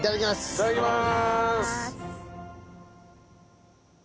いただきます。